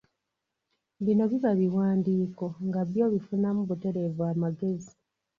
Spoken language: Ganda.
Bino biba biwandiiko nga byo obifunamu butereevu amagezi